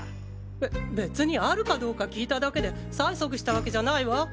べ別にあるかどうか聞いただけで催促したわけじゃないわ！